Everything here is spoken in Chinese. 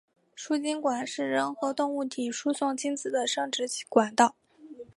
输精管是人和动物体内输送精子的生殖管道。